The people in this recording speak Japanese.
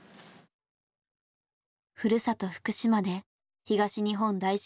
ふるさと福島で東日本大震災を経験。